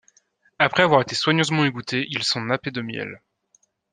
Après avoir été soigneusement égouttés, ils sont nappés de miel.